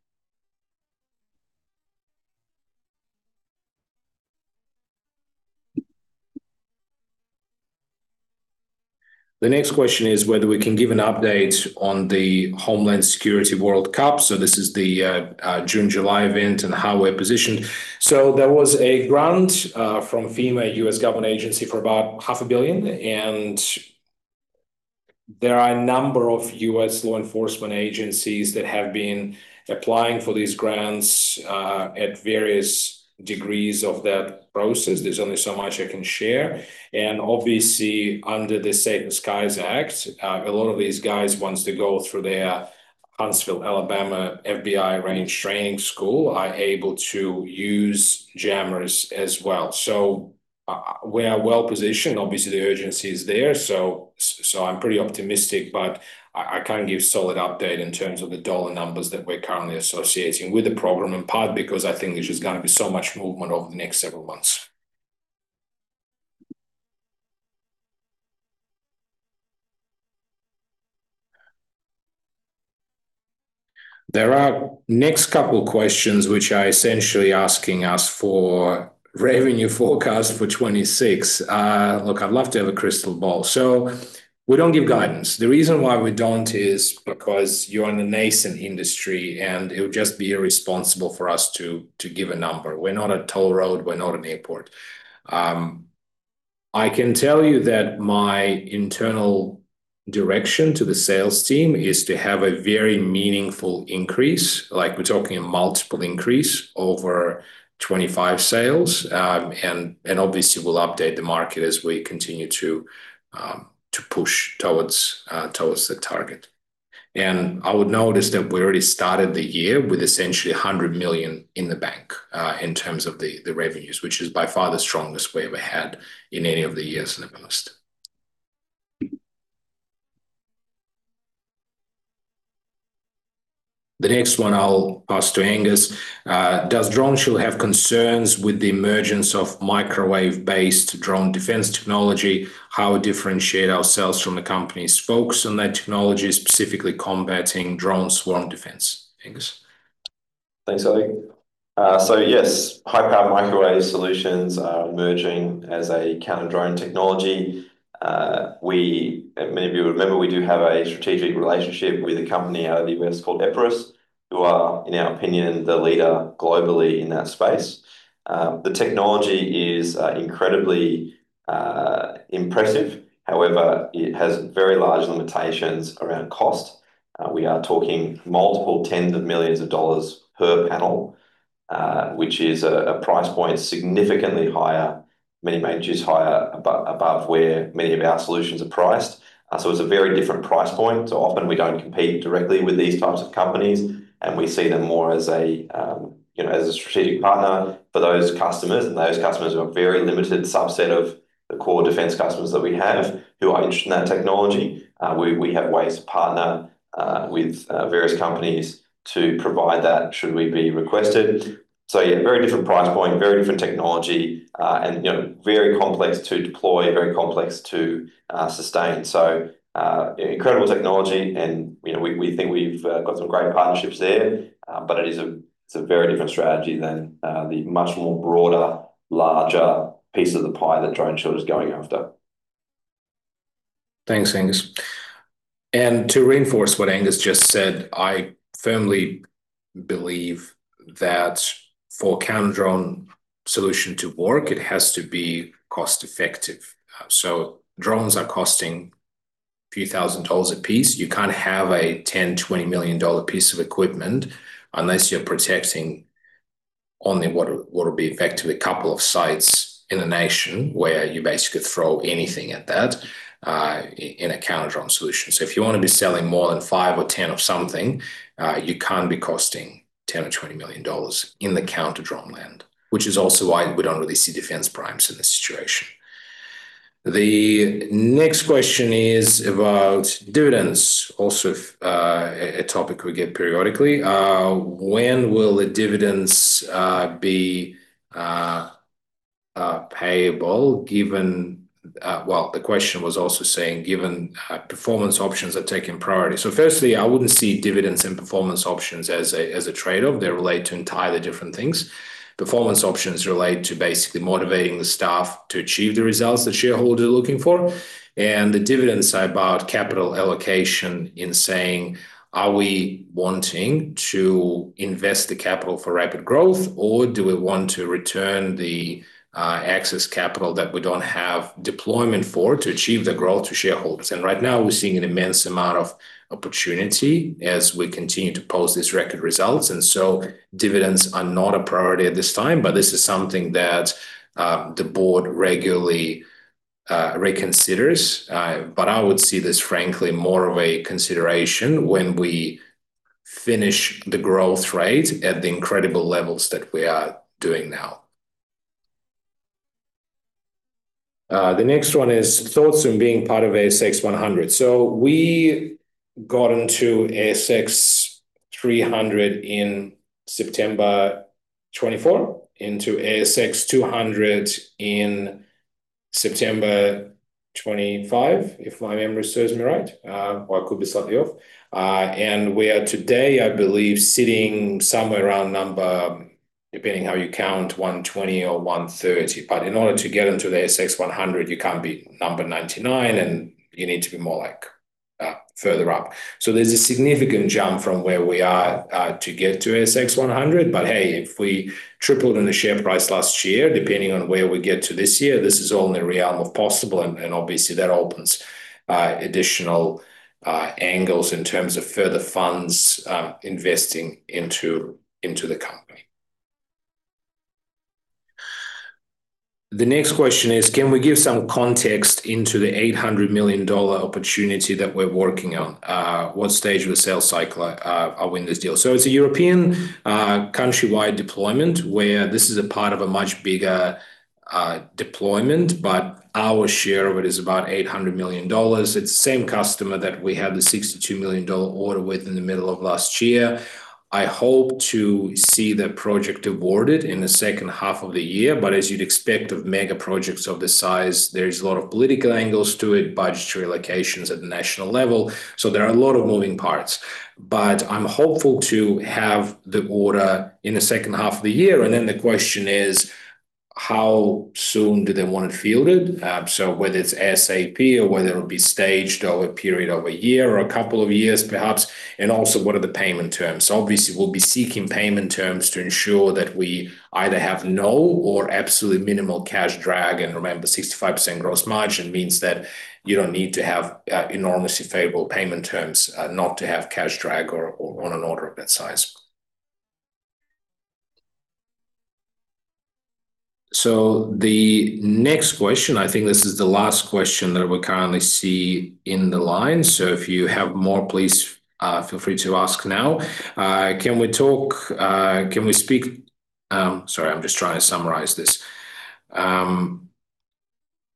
The next question is whether we can give an update on the Homeland Security World Cup. So this is the June-July event and how we're positioned. There was a grant from FEMA, U.S. Government Agency, for about $500 million. There are a number of U.S. law enforcement agencies that have been applying for these grants at various degrees of that process. There's only so much I can share. And obviously, under the Safer Skies Act, a lot of these guys, once they go through their Huntsville, Alabama, FBI range training school, are able to use jammers as well. So we are well positioned. Obviously, the urgency is there. So I'm pretty optimistic, but I can't give a solid update in terms of the dollar numbers that we're currently associating with the program, in part because I think there's just going to be so much movement over the next several months. The next couple of questions are essentially asking us for revenue forecast for 2026. Look, I'd love to have a crystal ball. So we don't give guidance. The reason why we don't is because you're in a nascent industry, and it would just be irresponsible for us to give a number. We're not a toll road. We're not an airport. I can tell you that my internal direction to the sales team is to have a very meaningful increase. We're talking a multiple increase over 25 sales. And obviously, we'll update the market as we continue to push towards the target. And I would note that we already started the year with essentially 100 million in the bank in terms of the revenues, which is by far the strongest we ever had in any of the years in the past. The next one I'll pass to Angus. Does DroneShield have concerns with the emergence of microwave-based drone defense technology? How differentiate ourselves from the company's folks on that technology, specifically combating drone swarm defense? Thanks, Oleg. So yes, high-powered microwave solutions are emerging as a counter-drone technology. Many of you will remember we do have a strategic relationship with a company out of the U.S. called Epirus, who are, in our opinion, the leader globally in that space. The technology is incredibly impressive. However, it has very large limitations around cost. We are talking multiple tens of millions of dollars per panel, which is a price point significantly higher, many magnitudes higher above where many of our solutions are priced. So it's a very different price point. So often we don't compete directly with these types of companies, and we see them more as a strategic partner for those customers. Those customers are a very limited subset of the core defense customers that we have who are interested in that technology. We have ways to partner with various companies to provide that should we be requested. So yeah, very different price point, very different technology, and very complex to deploy, very complex to sustain. So incredible technology, and we think we've got some great partnerships there, but it's a very different strategy than the much more broader, larger piece of the pie that DroneShield is going after. Thanks, Angus. To reinforce what Angus just said, I firmly believe that for a counter-drone solution to work, it has to be cost-effective. So drones are costing a few thousand dollars a piece. You can't have a $10-$20 million piece of equipment unless you're protecting only what will be effectively a couple of sites in a nation where you basically throw anything at that in a counter-drone solution. So if you want to be selling more than five or 10 of something, you can't be costing $10 or $20 million in the counter-drone land, which is also why we don't really see defense primes in this situation. The next question is about dividends, also a topic we get periodically. When will the dividends be payable given? Well, the question was also saying, given performance options are taking priority. So firstly, I wouldn't see dividends and performance options as a trade-off. They relate to entirely different things. Performance options relate to basically motivating the staff to achieve the results that shareholders are looking for. The dividends are about capital allocation in saying, are we wanting to invest the capital for rapid growth, or do we want to return the excess capital that we don't have deployment for to achieve the growth of shareholders? Right now, we're seeing an immense amount of opportunity as we continue to post these record results. So dividends are not a priority at this time, but this is something that the board regularly reconsiders. I would see this, frankly, more of a consideration when we finish the growth rate at the incredible levels that we are doing now. The next one is thoughts on being part of ASX 100. We got into ASX 300 in September 2024, into ASX 200 in September 2025, if my memory serves me right, or I could be slightly off. We are today, I believe, sitting somewhere around number, depending how you count, 120 or 130. But in order to get into the ASX 100, you can't be number 99, and you need to be more further up. So there's a significant jump from where we are to get to ASX 100. But hey, if we tripled on the share price last year, depending on where we get to this year, this is all in the realm of possible. And obviously, that opens additional angles in terms of further funds investing into the company. The next question is, can we give some context into the $800 million opportunity that we're working on? What stage of the sales cycle are we in this deal? So it's a European countrywide deployment where this is a part of a much bigger deployment, but our share of it is about $800 million. It's the same customer that we had the $62 million order with in the middle of last year. I hope to see the project awarded in the second half of the year. But as you'd expect of mega projects of this size, there's a lot of political angles to it, budgetary allocations at the national level. So there are a lot of moving parts. But I'm hopeful to have the order in the second half of the year. And then the question is, how soon do they want it fielded? So whether it's ASAP or whether it'll be staged over a period of a year or a couple of years, perhaps. And also, what are the payment terms? Obviously, we'll be seeking payment terms to ensure that we either have no or absolutely minimal cash drag. And remember, 65% gross margin means that you don't need to have enormously favorable payment terms not to have cash drag on an order of that size. So the next question, I think this is the last question that we currently see in the line. So if you have more, please feel free to ask now. Can we talk? Can we speak? Sorry, I'm just trying to summarize this.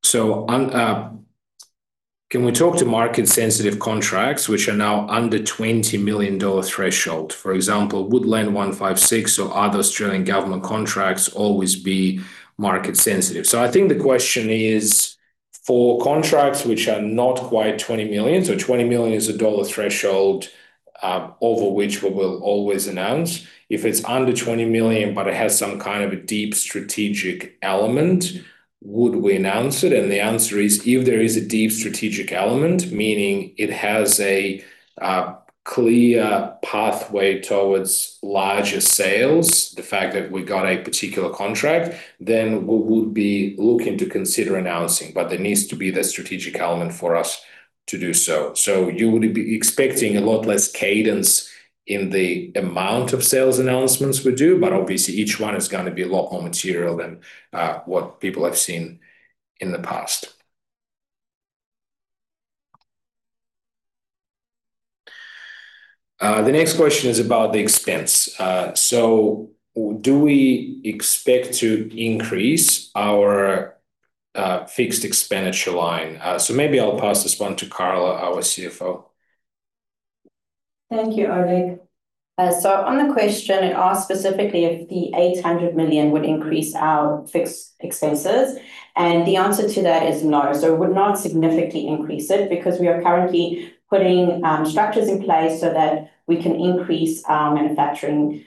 So can we talk to market-sensitive contracts, which are now under $20 million threshold? For example, would LAND 156 or other Australian government contracts always be market-sensitive? So I think the question is for contracts which are not quite $20 million. So $20 million is a dollar threshold over which we will always announce. If it's under $20 million, but it has some kind of a deep strategic element, would we announce it? The answer is, if there is a deep strategic element, meaning it has a clear pathway towards larger sales, the fact that we got a particular contract, then we would be looking to consider announcing. But there needs to be the strategic element for us to do so. You would be expecting a lot less cadence in the amount of sales announcements we do. But obviously, each one is going to be a lot more material than what people have seen in the past. The next question is about the expense. Do we expect to increase our fixed expenditure line? Maybe I'll pass this one to Carla, our CFO. Thank you, Oleg. On the question, it asked specifically if the 800 million would increase our fixed expenses. The answer to that is no. So it would not significantly increase it because we are currently putting structures in place so that we can increase our manufacturing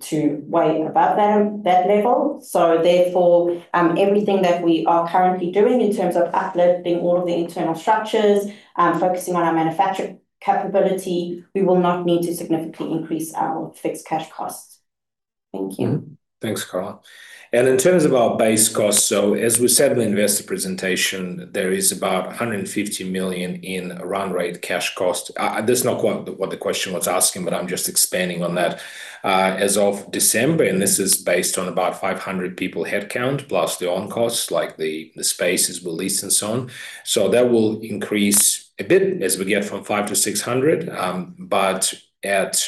to way above that level. So therefore, everything that we are currently doing in terms of uplifting all of the internal structures, focusing on our manufacturing capability, we will not need to significantly increase our fixed cash costs. Thank you. Thanks, Carla. And in terms of our base cost, so as we said in the investor presentation, there is about 150 million in run rate cash cost. That's not quite what the question was asking, but I'm just expanding on that. As of December, and this is based on about 500 people headcount plus the on-costs, like the spaces, the lease, and so on. So that will increase a bit as we get from 500-600. But at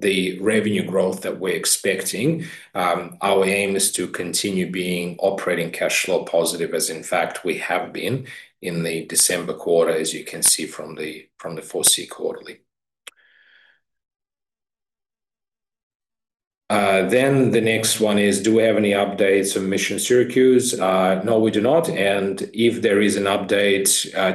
the revenue growth that we're expecting, our aim is to continue being operating cash flow positive, as in fact we have been in the December quarter, as you can see from the 4C quarterly. Then the next one is, do we have any updates on Mission Syracuse? No, we do not. And if there is an update,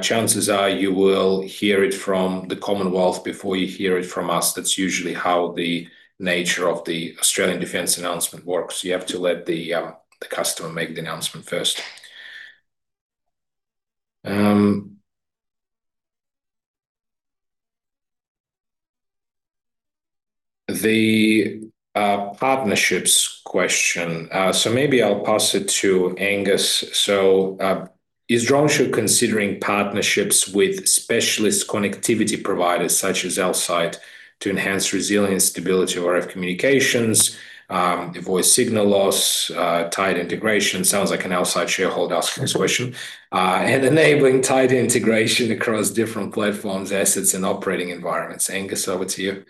chances are you will hear it from the Commonwealth before you hear it from us. That's usually how the nature of the Australian defense announcement works. You have to let the customer make the announcement first. The partnerships question. So maybe I'll pass it to Angus. So is DroneShield considering partnerships with specialist connectivity providers such as Elsight to enhance resilience, stability, or RF communications, avoid signal loss, tight integration? Sounds like an outside shareholder asking this question. And enabling tight integration across different platforms, assets, and operating environments. Angus, over to you.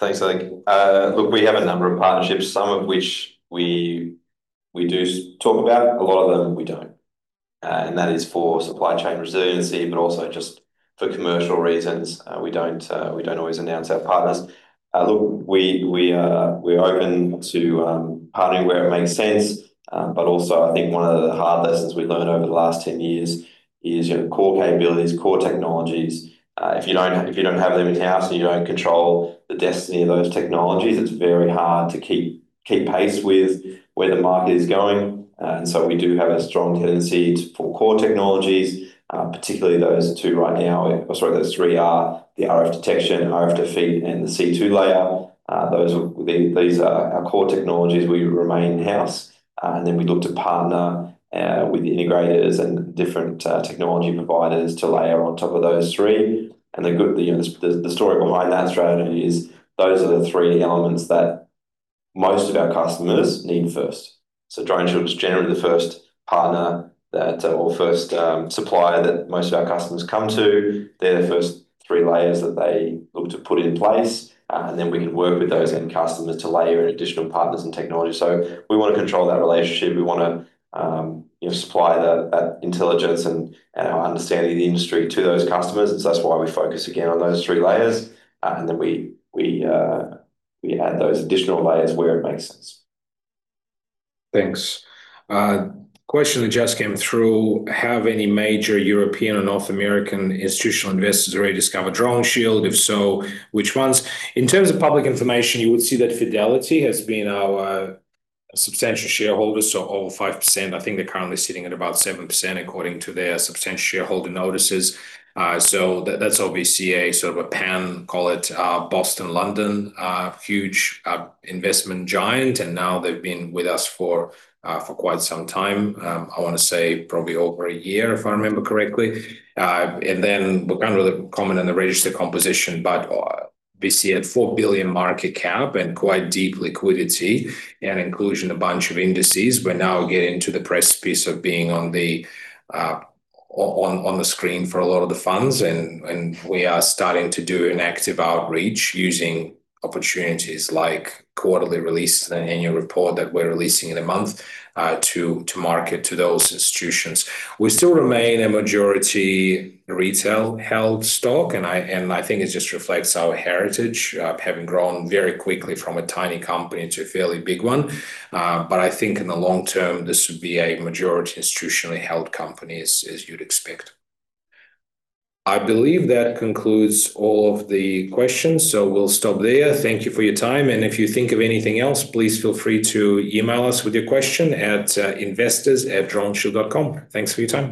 Thanks, Oleg. Look, we have a number of partnerships, some of which we do talk about. A lot of them we don't. And that is for supply chain resiliency, but also just for commercial reasons. We don't always announce our partners. Look, we are open to partnering where it makes sense. But also, I think one of the hard lessons we've learned over the last 10 years is core capabilities, core technologies. If you don't have them in-house and you don't control the destiny of those technologies, it's very hard to keep pace with where the market is going. And so we do have a strong tendency for core technologies, particularly those two right now. Sorry, those three are the RF detection, RF defeat, and the C2 layer. These are our core technologies. We remain in-house. And then we look to partner with the integrators and different technology providers to layer on top of those three. The story behind that strategy is those are the three elements that most of our customers need first. So DroneShield is generally the first partner or first supplier that most of our customers come to. They're the first three layers that they look to put in place. And then we can work with those end customers to layer in additional partners and technology. So we want to control that relationship. We want to supply that intelligence and our understanding of the industry to those customers. And so that's why we focus again on those three layers. And then we add those additional layers where it makes sense. Thanks. Question that just came through. Have any major European and North American institutional investors already discovered DroneShield? If so, which ones? In terms of public information, you would see that Fidelity has been our substantial shareholders, so over 5%. I think they're currently sitting at about 7% according to their substantial shareholder notices. So that's obviously a sort of a pan, call it Boston-London, huge investment giant. And now they've been with us for quite some time. I want to say probably over a year, if I remember correctly. And then we're kind of the common and the registered composition, but we see a 4 billion market cap and quite deep liquidity and inclusion of a bunch of indices. We're now getting to the precipice of being on the screen for a lot of the funds. And we are starting to do an active outreach using opportunities like quarterly releases and annual report that we're releasing in a month to market to those institutions. We still remain a majority retail held stock. And I think it just reflects our heritage of having grown very quickly from a tiny company to a fairly big one. But I think in the long term, this would be a majority institutionally held company, as you'd expect. I believe that concludes all of the questions. So we'll stop there. Thank you for your time. And if you think of anything else, please feel free to email us with your question at investors@DroneShield.com. Thanks for your time.